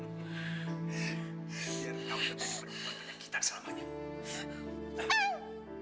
kamu itu penyakit yang tidak berguna lagi buat aku